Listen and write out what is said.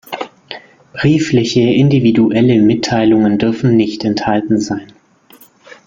Briefliche, individuelle Mitteilungen dürfen nicht enthalten sein.